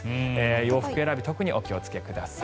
洋服選び特にお気をつけください。